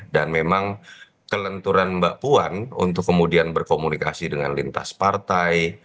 dan memang kelenturan mbak puan untuk kemudian berkomunikasi dengan lintas partai